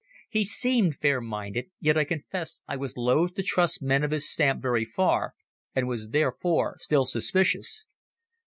He seemed fair minded, yet I confess I was loth to trust men of his stamp very far, and was therefore still suspicious.